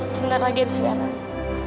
sebenarnya rakyat sekarang